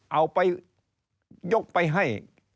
เอาไปยกไปให้